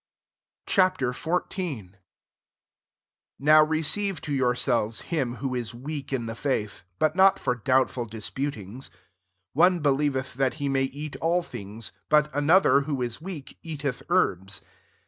Ch. XIV. I NOW receive to yourselves him who is weak in the faith ; but not for doubt ful disputings. ^ One believeth that he may eat all things: but another, who is weak, eateth kerbs.